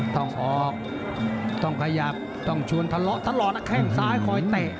ต้องออกต้องขยับต้องชวนทะเลาะตลอดนะแข้งซ้ายคอยเตะ